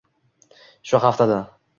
Shu haftada